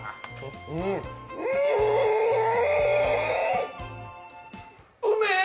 うん！うめぇ！